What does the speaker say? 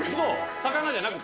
魚じゃなくて？